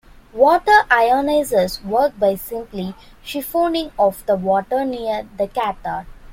Water ionizers work by simply siphoning off the water near the cathode.